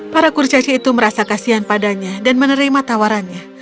para kurcaci itu merasa kasian padanya dan menerima tawarannya